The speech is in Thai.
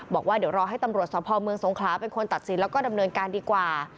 บอกว่าเดี๋ยวรอให้ตำรวจสภเมืองสงขลาเป็นคนตัดสินแล้วก็ดำเนินการดีกว่า